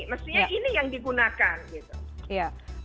maksudnya ini yang digunakan